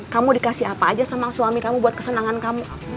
kamu dikasih apa aja sama suami kamu buat kesenangan kamu